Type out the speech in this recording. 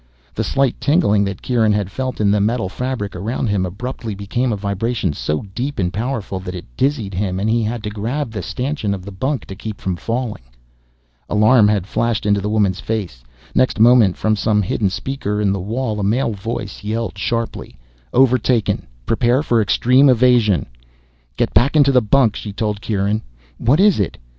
The slight tingling that Kieran had felt in the metal fabric around him abruptly became a vibration so deep and powerful that it dizzied him and he had to grab the stanchion of the bunk to keep from falling. Alarm had flashed into the woman's face. Next moment, from some hidden speaker in the wall, a male voice yelled sharply, "Overtaken prepare for extreme evasion " "Get back into the bunk," she told Kieran. "What is it?"